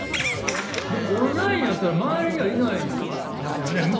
オンラインやったら周りにはいないですよね？